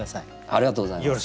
ありがとうございます。